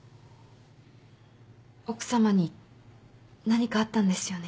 奥さまに何かあったんですよね？